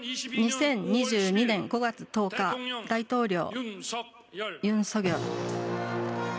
２０２２年５月１０日大統領、尹錫悦。